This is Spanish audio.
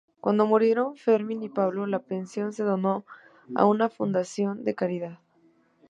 Cuando murieron Fermín y Pablo, la pensión se donó a una fundación de caridad.